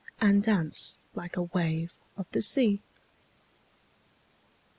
'And dance like a wave of the sea.